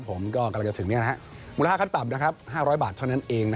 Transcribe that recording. ผมก็กำลังจะถึงมูลค่าขั้นต่ำ๕๐๐บาทเท่านั้นเอง